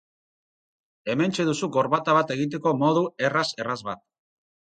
Hementxe duzu gorbata bat egiteko modu erraz-erraz bat.